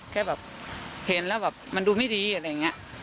แค่แบบเห็นแล้วแบบมันดูไม่ดีอะไรอย่างนี้